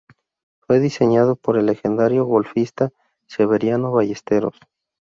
Fue diseñado por el legendario golfista Severiano Ballesteros.